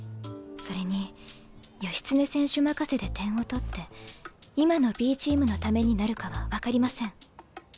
それに義経選手任せで点を取って今のＢチームのためになるかは分かりません。